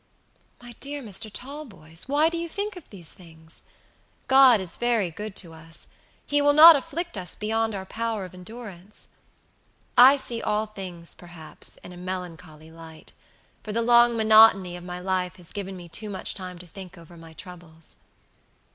"My dear Mr. Talboys, why do you think of these things? God is very good to us; He will not afflict us beyond our power of endurance. I see all things, perhaps, in a melancholy light; for the long monotony of my life has given me too much time to think over my troubles."